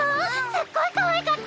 すっごいかわいかった。